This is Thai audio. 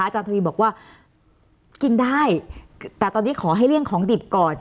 ทวีบอกว่ากินได้แต่ตอนนี้ขอให้เลี่ยงของดิบก่อน